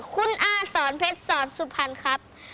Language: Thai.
คุณอาสรเผ็ดสรสุพรรค์ครับ